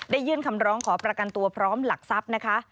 ยื่นคำร้องขอประกันตัวพร้อมหลักทรัพย์นะคะ